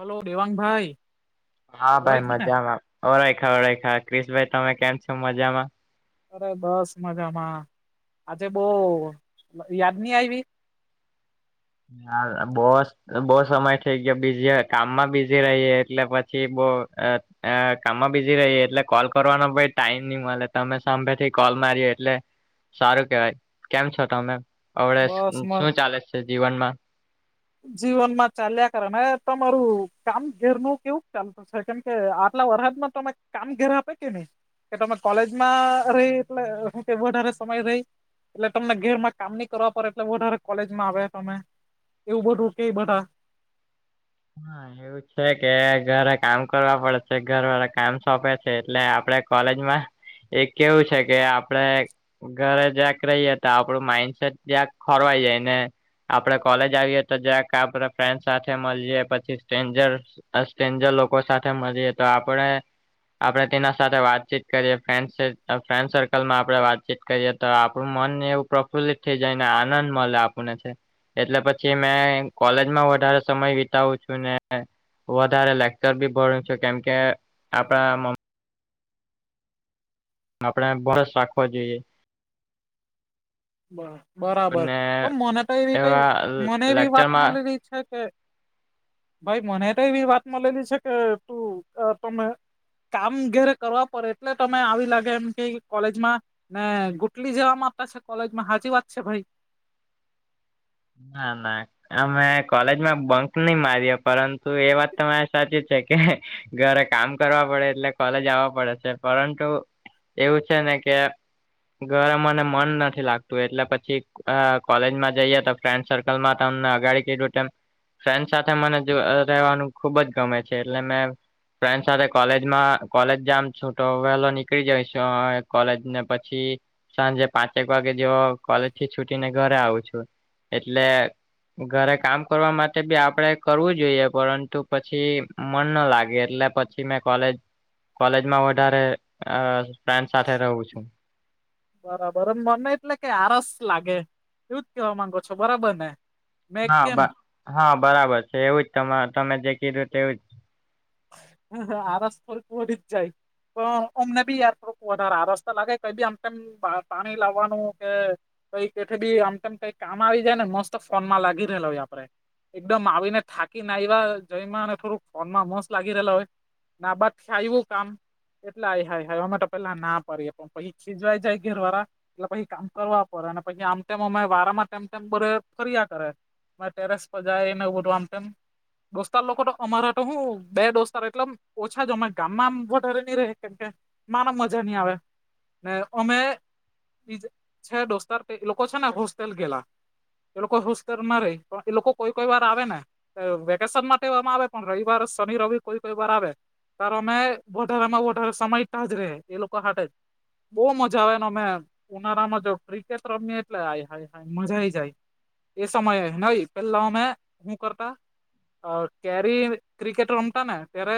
Hello Devang ભાઈ હા ભાઈ મજામાં ઓળયખા ઓળયખા ક્રિશ ભાઈ તમે કેમ છો મજામાં અરે બસ મજામાં આજે બો યાદ ની આયવી ના બોસ બો સમય થઇ ગયો બીઝી કામમાં બીઝી રહીએ એટલે પછી બો અ કામમાં બીઝી રહીએ એટલે કોલ કરવાનો પહી ટાઈમ ની મળે તમે સાંમે થી કોલ કરી એટલે સારૂ કેવાય કેમ છો તમે આપડે બસ શું ચાલે છે જીવનમાં જીવન માં ચાલ્યા કરે મે તમારું કામ ઘેર નું કેવું ચાલે તું છે કેમકે આટલા વરહાદમાં તમે કામ ઘેરે આપે કે નહી કે તમે કોલેજમાં રહી એટલે હું કે વધારે સમય રહી એટલે તમને ઘેરમાં કામ ની કરવા પડે એટલે વધારે કોલેજમાં આવે તમે એવું બધું કેય બધા હા એ છે કે ઘરે કામ કરવા પડે છે ઘર વાળા કામ સોંપે છે એટલે આપડે કોલેજમાં એક કેવું છે કે આપડે ઘરે જ્યાંક રહીએ તો આપડું માઈન્ડસેટ ક્યાંક ખોરવાઈ જાય ને આપડે કોલેજ આવીએ તો જરાક આ બધા ફ્રેન્ડ સાથે મલીયે પછી સ્ટેન્જર અસ્ટ્રેન્જર લોકો સાથે મળીએ તો આપડે આપડે તેના સાથે વાતચીત કરીએ ફન્ડશીપ ફ્રેન્ડ સર્કલમાં આપડે વાતચીત કરીએ તો આપણું મન ને એવું પ્રફુલ્લિત થઇ જાય ને આનંદ મળે આપને છે એટલે પછી અમે કોલેજમાં વધારે સમય વિતાવું છું વધારે લેકચર બી ભણુ છુ કેમકે આપડા મ આપડે બસ રાખવા જોઈએ બ બરાબર અને તો મને તો એવી કઈ એવા મને એવી વાત લેક્ચરમાં મળી રહી છે કે ભાઈ મને તો એવી વાત મલેલી છે કે તું તમે કામ ઘેરે કરવા પડે એટલે તમે આવી લાગે એમ કેય કોલેજમાં ને ગુટલી જેવા મારતા છે કોલેજમાં હાચી વાત છે ભાઈ ના ના અમે કોલેજમાં બંક ની માર્યો પરંતુ એ વાત તમારે સાચી છે કે હે ઘરે કામ કરવા પડે એટલે કોલેજ આવવા પડે છે પરંતુ એવું છે ને કે ઘરે મને મન નથી લાગતું એટલે પછી કોલેજમાં જઈએ તો ફ્રેન્ડ સર્કલમાં તમને અગાડી કીધું તેમ ફ્રેન્ડ સાથે મને જો રહેવાનું ખુબ જ ગમે છે એટલે મે ફ્રેન્ડ સાથે કોલેજમાં કોલેજ જામ છૂ તો વેલો નીકળી જઈશ કોલેજ ને પછી સાંજે પાંચેક વાગે જેવો કોલેજથી છુટીને ઘરે આવું છું. એટલે ઘરે કામ કરવા માટે બી આપડે કરવું જોઈએ પરંતુ પછી મન ન લાગે એટલે પછી મે કોલેજ કોલેજમાં વધારે આ ફ્રેન્ડ સાથે રહું છું બરાબર જ મને એટલેકે આરસ લાગે. એવું જ કેવા માંગો છો બરાબર ને મેં ના કેમ બા હા બરાબર છે એવું જ તમા તમે જે કીધું તેવું જ હ હા આરાસ પર બોલી જ જાય તો અમને બી એરપોર્ટ વધારે આ રસ્તા લાગે કઈ બી આમ તેમ પા પાણી લાવવાનું કે કઈ એઠ બી આમતેમ કઈ કામ આવી જાય ને મસ્ત ફોનમાં લાગી રહેલો હોય આપડે એકદમ આવીને થાકી ને આઈવા જઈ અને થોડુંક ફોન માં મસ્ત લાગી રહલા હોય આ બાદ થી આયું કામ એટલે આ હાય હાઈ એ માટે તો પેલા ના પડીએ પણ પછ ખીજવાય જાય ઘર વાળા એટલે પછી કામ કરવા પડે પછી આમ તેમ અમા વારામાં તેમ તેમ બરે કર્યા કરે ટેરેસ પર જાય એનેવામ તેમ દોસ્તાર લોકો તો અમારે તો હું બે દોસ્તાર એટલે ઓછા જોમે ગામમાંમ વધારે નહી ર કેમ કે મારે મજા નહી આવે ને અમે બ છે દોસ્તાર લોકો છે ને હોસ્ટેલ ગેલા એ લોકો હુસ્ કરર ના રહી પણ એ લોકો કોઈ કોઈ વાર આવે ને વેકેશન માટેવામાં આવે પણ રવિવાર શનિ રવિર કોઈ કોઈ વાર આવે તારો અમે વધારમાં વધાર સમય ટા જ ર એ લોકો હા જ બહુ મજા આવે એનોમે ઉનાળામાં જો ક્રિકેટ રમીએ એટલે આ હાય હાય મજા આઈ જાય એ સમયે નઈ પેલામે શું કરતા કેરી ક્રિકેટ રમતા ને ત્યારે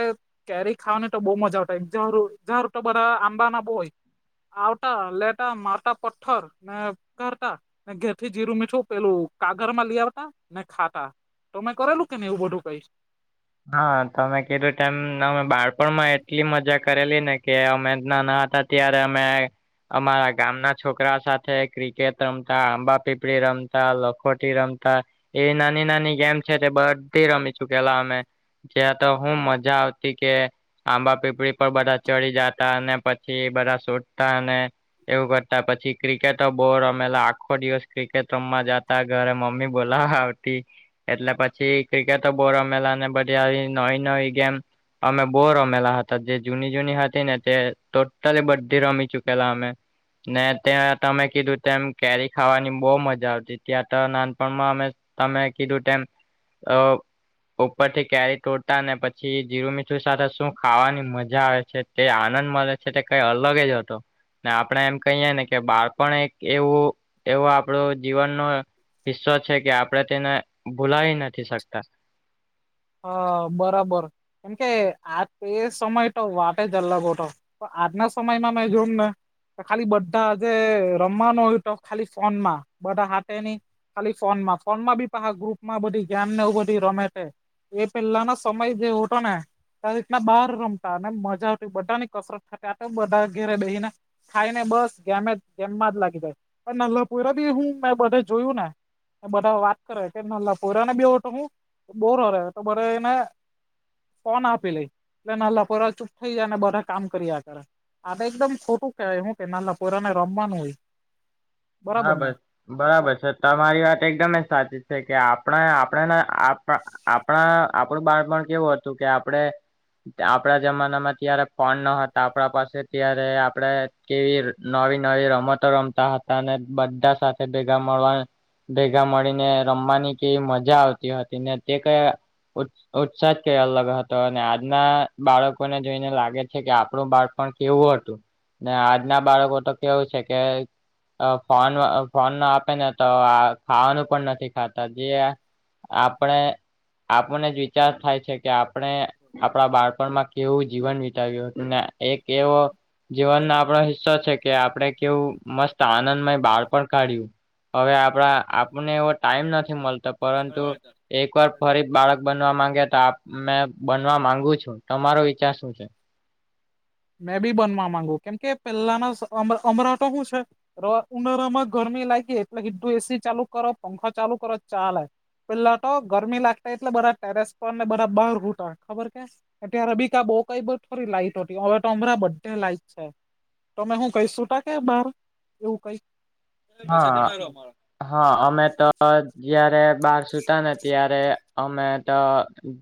કેરી ખાવા ને તો બહુ મજા આવતાારારું તો બધા આંબા ના બહુ હોય આવતાા લેટા મારતા પથ્થર ને કરતા ઘેર થી જીરું મીઠું પેલું કાગળ માં લઈ આવતા ને ખાતા તમે કરેલું કે ને એવું બધું કઈ હા તમે કીધું તેમમ અમે બાળપણમાં એટલી મજા કરેલી ને કે અમે નાના હતા અત્યારે અમે અમારા ગામના છોકરા સાથે ક્રિકેટ રમતા આંબા પીપળી રમતા લખોટી રમતા એ નાની નાની ગેમ છે તે બધી રમીશું પેલા અમે ત્યાં તો હું મજા આવતી કે આંબા પીપળી પર બધા ચડી જતા અને પછી બધા શોધતા ને એવું કરતા પછી ક્રિકેટ બોર રમેલા આખો દિવસ ક્રિકેટ રમ જતા ઘરે મમ્મી બોલાવા આવતી એટલે પછી ક્રિકેટ તો બો રમેલાને એ નવી નવી ગેમ અમે બહુ રમેલા હતા જે જૂની જૂની હતી ને તે ટોટલી બધી રમી ચુકેલા અમે ને ત્યાં તમે કીધું તેમ કેરી ખાવાની બહુ મજા આવતી ત્યાં તો નાનપણમાં અમે તમે કીધું તેમ અ ઉપરથી કેરી તોડતા ને પછી જીરું મીઠું સાથે શું ખાવાની મજા આવે છે તે આનંદ મળે છે સટ કઈ અલગ જ હતો ને આપણે એમ કહીયએ ને કે બાળપણ એક એવું એવો આપણો જીવનનો હિસો છે કે આપડણે તેને ભૂલાવી નથી શકતા હ બરાબર કેમકે આ તે સમય તો વાત જ અલગ હતો તો આજના સમયમાં મે જોમ ને ખાલી બધા જે રમવાનું હોય તો ખાલી ફોન માં બધા હાની ખાલી ફોનમાં ફોન માં બી પહ ગ્રુપ માં બધી ગેમ ને એવ બધી રમે તે એ પેલાનો સમય જે હતો ને રીત ના બહાર રમતા ને મજા આવતી બધા ની કસરત થતી આટ બધા ઘેરે બેહી ને ખાઈને બસ ગેમે જ ગેમમાં જ લાગી જાય પણ નલ્લાપુ બી હું મેં બધે જોયું ને બધા વાત કરો એ નાના પોરા ને બે હવે તો હું બો રરે હે તો બધો એને ફોન આપી લઈ, એટલે નન્હા પોયરા ચૂપ થઇ જાય, ને બધા કામ કર્યા કરે. આટે એકદમ ખોટું કેહેવાય, હું કે નાના પોયરાને રમવાનું હોય. હા બરાબર ને ભાઈ, આખો બરાબર છે. તમારી વાત એકદમએ સાચી છે, કે આપણે આપણેને આપ આપણા, આપણું બાળપણ કેવું હતું કે, આપણે આપડા જમાનામાં ત્યારે ફોન ન હતા આપણા પાસે, ત્યારે આપડે કેવી નવી નવી રમતો રમતા હતા, અને બધા સાથે ભેગા મળવા ને ભેગા મળીને રમવાની કેવી મજા આવતી હતી, નેતે કંઈ ઉ ઉત્સાજ કઈ અલગ હતો, અને આજના બાળકોને જોઈને લાગે છે, કે આપણું બાળપણ કેવું હતું. ને આજના બાળકો તો કેવું છે, કે અ ફોન અ ફોન ન આપે ને, તો આ ખાવાનું પણ નથી ખાતા, જે આપણે, આપનેજ વિચાર થાય છે. કે આપણે આપણા બાળપણમાં કેવું જીવન વિતાવ્યું હતું, ને એક એવો જીવનનો આપણો હિસ્સો છે, કે આપણે કેવું મસ્ત આનંદમય બાળપણ કાઢ્યું. હવે આપણા આપને એવો ટાઈમ નથી મળતો, પરંતુ એકવાર ફરી બાળક બનવા માંગે તો આપ, મે બનવા માંગુ છું, તમારો વિચાર શું છે? મેં ભી બનવા માંગુ, કેમ કે પહેલાના સ અમરા અમરાટો શું છે રો ઉનાળામાં ગરમી લાઇગી, એટલે સીધું એસી ચાલુ કરો, પંખા ચાલુ કરો ચાલે. પેલા તો ગરમી લાગટી, એટલે બધા ટેરેસ પર, ને બધા બહાર સૂતા, ખબર કે. અત્યારે બી કા બો કંઈ બધ થોડી લાઈટ હો ટી, હવે તો અમરા બધે લાઈટ છે, તોમે હું કહી શુંતા કે બાર? એવું કંઈ, હા હા, અમેતો જયારે બાર સુતાને, ત્યારે અમેતો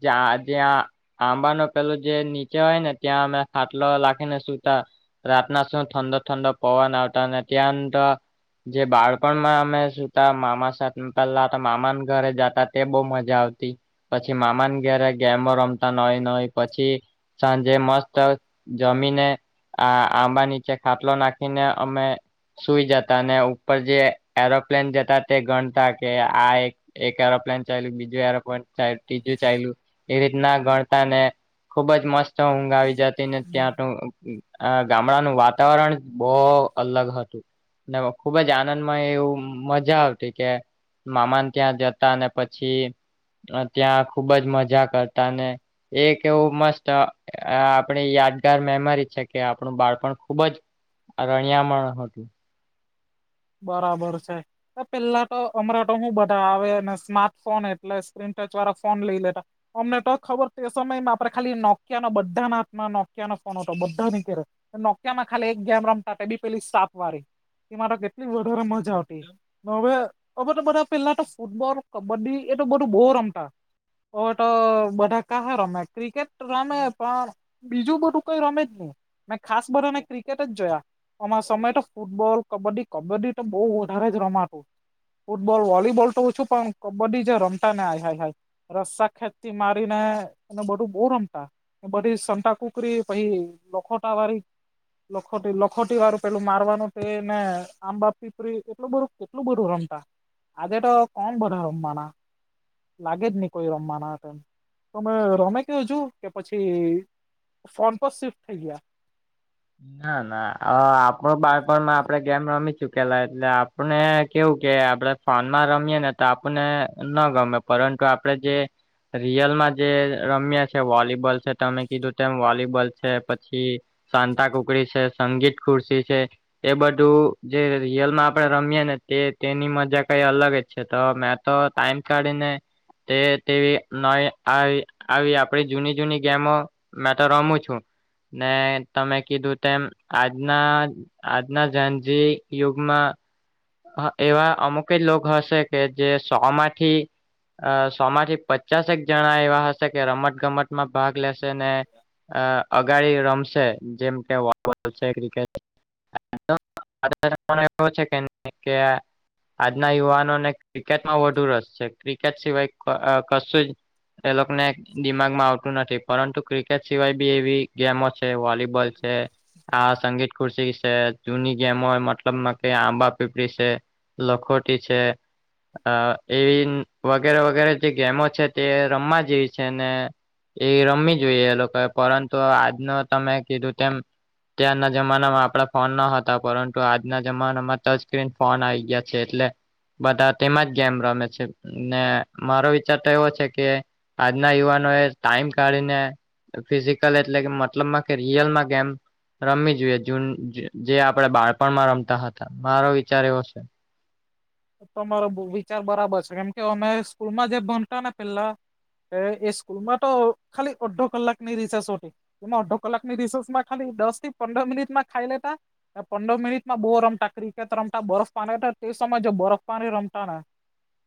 જા જ્યાં આંબા નો પેલો જે નીચે હોય ને, ત્યાં અમે ખાટલો લાખીને સુતાં રાત નાશું ઠંંડો ઠંંડો પવન આવતો ને ત્યાં તો. જે બાળપણમાં અમે સુતા, મામા સાથે પેલા તો મામાનુ ઘરે જતા તે બહુ મજા આવતી. પછી મામાને ઘરે ગેમો રમતા નોઇ નોઇ પછી સાંજે મસ્ત જમીને આ આંબા નીચે ખાટલો નાખીને અમે સુઈ જત તા, અને ઉપર જે એરોપ્લેન જતાતે ગણતા કેઆ એક એક એરોપ્લેન ચાલ્યું, બીજું એરોપ્લેન ચાલ, ત્રીજું ચાલ્યું, એ રીતના ગણતાને ખુબજ મસ્ત ઊંઘ આવી જતી, ને ત્યાં તું આ ગામડાનું વાતાવરણજ બહુ અલગ હતું. નવો, ખુબજ આનંદમાં એવું મજા આવતી, કે મામાને ત્યાં જતા, અને પછી અ ત્યાં ખુબ જ મજા કરતાને. એક એવું મસ્ત આપણી યાદગાર મેમરી છે, કે આપણું બાળપણ ખુબ જ આ રાણીયા માં હતું. બરાબર છે. પેલા તો, અમરાંતો હું બધા આવેને સ્માર્ટફોન એટલે સ્ક્રીનટચ વાળા ફોન લઈ લેતા. અમને તો ખબર તે સમયમાં આપડે ખાલી નોકિયા નો બધાના હાથમાં નોકિયા નો ફોન હતો, બધા ની ઘેરે. ને નોકિયામાં ખાલી એક ગેમ રમતા, તેભી પેલી સાપ વાળી, એમા તો કેટલી વધારે મજા આવતી. હવે, હવે તો બધા પેલા તો ફૂટબોલ, કબડ્ડી એતો બધું બહુ રમતા. હવે તો બધા કહા રમે, ક્રિકેટ રમે પણ બીજું બધું કઈ રમેજ નહીં. મેં ખાસ બધાને ક્રિકેટ જ જોયા, અમા સમય તો ફૂટબોલ, કબડ્ડી કબડ્ડીતો બહુ વધારેજ રમાતું. ફૂટબોલ, વોલીબોલ તો ઓછું, પણ કબડ્ડી જે રમતાને, આઈ હાઈ હાઈ. રસ્સા ખેચતી મારીને, એને બધું બહુ રમતા. એ બધી સંતા કુકરી પછી લોખોટા વાળી લખોટી લખોટી વાળું પેલું મારવાનું તેને આંબા પીપરી એટલું બધું કેટલું બધું રમતા આજે તો કોણ બધા રમવાના લાગે જ નહીં કોઈ રમવાનાં હતા. તોમે રમે કયો હજુ, કે પછી ફોન પર સ્વિફ્ટ થઈ ગયા? ના, ના આપણું બાળપણમાં આપડે ગેમ રમી ચુકેલા એટલે આપ પણે ને કેવું કે આપણે ફોનમાં રમીએ નેતો આપણને ન ગમે પરંતુ આપડે જે રિયલમાં જે રમ્યા છે વોલીબોલ છે તમે કીધું તેમ વોલીબોલ છે પછી શાતા કુકડી છે સંગીત ખુરશી છે એ બધું જે રિયલમાં આપડણે રમીયે ને તે તેની મજા કઈ અલગ જ છે તો મેં તો ટાઈમ કાઢીને તે તેવી નવી આવી આવી આપડી જૂની જૂની ગેમો મેં તો રમું છું ને તમે કીધું તેમ આજના આજના જેન જી યુગમાં હા એવા અમુક જ લોક હશે કે જે સો માંથી અ સોમાંથી પચાસેક જણા એવા હશે કે રમત ગમતમાં ભાગ લે શે ને અહ અગાડી રમશે જેમ [inaudible] કે આજના યુવાનોને ક્રિકેટમાં વધુ રસ છે ક્રિકેટ સિવાય ક અહ કશું જ એ લોકોને દિમાગમાં આવતું નથી પરંતુ ક્રિકેટ સિવાય બી એવી ગેમો છે વોલીબોલ છે આ સંગીત ખુરશી જૂની ગેમો હોય મતલબ મા કે આંબા પીપડી છે લખોટી છે અહ એવી વ વગેરે વગેરે જે ગેમો છે તે રમવા જેવી છે ને એ રમી જોઈએ એ લોકોએ પરંતુ આજનો તમે કીધું તેમ ત્યારના જમાનામાં આપણા ફોન ન હતા પરંતુ આજના જમાનામાં ત જ સ્ક્રીન ફોન આવી ગયા છે એટલે બધા તેમાં જ ગેમ રમે છે ને મારો વિચાર તો એવો છે કે આજના યુવાનો એ ટાઈમ કાઢીને ફિઝિકલ એટલે કે મતલબમાં કે રિયલમાં ગેમ રમવી જોઈએ જૂન જે આપણે બાળપણમાં રમતા હતા મારો વિચાર એવો છે તમારો વિચાર બરાબર છે કેમ કે અમે સ્કૂલમાં જે ભંણતા ને પેલા તે એ સ્કૂલ માં તો ખાલી અડધો કલાક ની રશેષ હોતી એમાં અડધો કલાકની રિસોસમાં ખાલી દસ થી પંદર મિનિટમાં ખાઈ લેતા ને પંદર મિનિટમાં બો રમતા ક્રિકેટ રમતા બરફ પાની તે સ માં ને જે બરફ પાણી રમતા ને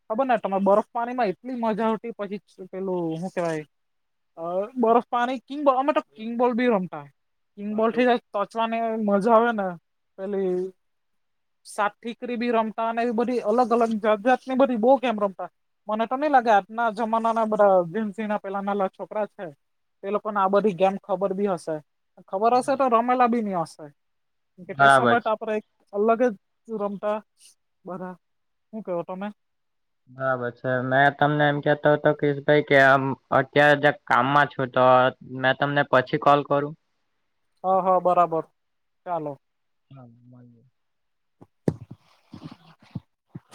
ખબર ને તમારે બરફ પાણી માં એટલી મજા આવતી પછી પેલું હું કેવાય અહ બરફ પાની કિંગોલ અમે તો કિંગ બોલ બી રમતા કિંગ બોલ થી તોચવાની મજા આવે ને પેલી સાત ટીકરી બી રમતા એ બધી અલગ અલગ જાત જાતની બધી બો ગેમ રમતા. મને તો ની લાગે આજના જમાના ના બધા ભીંસીના પેલા નાના છોકરા છે તે લોકોને આ બધી ગેમ ખબર બી હશે ખબર હશે તો રમેલા બી ની હશે કેમ કે તે બરાબર સમયે છે આપડે એક અલગ જ રમતા બધા હું કેવો તમે? હવે છે. મેં તમને એમ કહેતો કે તઈ કર આમ અત્યારે કામમાં છું તો મેં તમને પછી કોલ કરું? હ હ બરાબર ચાલો. [inaudible]